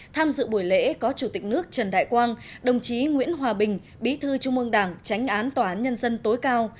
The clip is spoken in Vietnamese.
tham dự buổi lễ có chủ tịch nước trần đại quang đồng chí nguyễn hòa bình bí thư trung ương đảng tránh án tòa án nhân dân tối cao